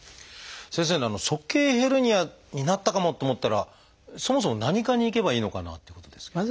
先生鼠径ヘルニアになったかもと思ったらそもそも何科に行けばいいのかなっていうことですけど。